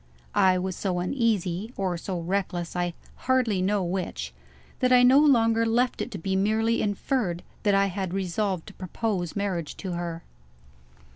I was so uneasy, or so reckless I hardly know which that I no longer left it to be merely inferred that I had resolved to propose marriage to her.